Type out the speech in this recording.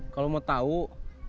kalau mau tahu kenalan